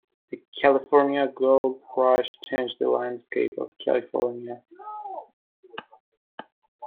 The California Gold Rush changed the landscape of California.